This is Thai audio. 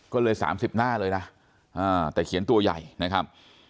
ก็เลย๓๐หน้าเลยนะแต่เขียนตัวใหญ่นะครับ